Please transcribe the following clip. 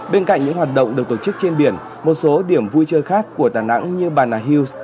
bên cạnh những hoạt động được tổ chức trên biển một số điểm vui chơi khác của đà nẵng như bà nà hills